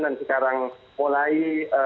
dan sekarang mulai